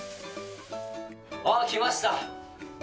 あっ、来ました。